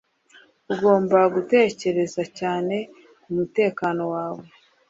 Ugomba gutekereza cyane kumutekano wawe.